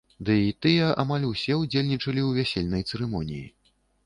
Дый тыя амаль усе ўдзельнічалі ў вясельнай цырымоніі.